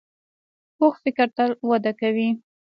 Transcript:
پوخ فکر تل وده کوي